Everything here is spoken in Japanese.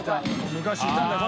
昔いたんだよ。